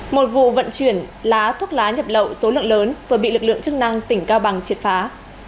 một vụ vận chuyển lá thuốc lá nhập lậu số lượng lớn vừa bị lực lượng chức năng tỉnh cao bằng triệt phá